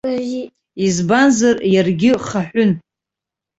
Избанзар, иаргьы хаҳәын.